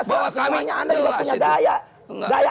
sebenarnya anda juga punya gaya